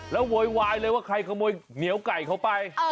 แล้วโวยวายเลยว่าใครขโมยเหนียวไก่เขาไป